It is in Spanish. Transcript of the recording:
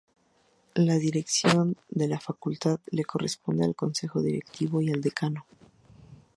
La dirección de la Facultad le corresponde al Consejo Directivo y al Decano.